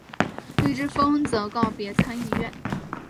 绿之风则告别参议院。